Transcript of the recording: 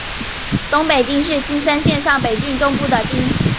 东北町是青森县上北郡中部的町。